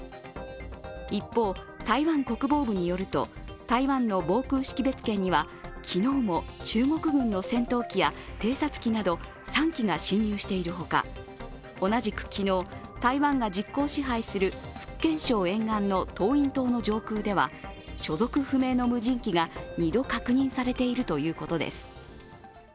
一方、台湾国防部によると台湾の防空識別圏には昨日も中国軍の戦闘機や偵察機など３機が侵入しているほか同じく昨日、台湾が実効支配する福建省沿岸の東引島の上空では所属不明の無人機が２度確認されているということです。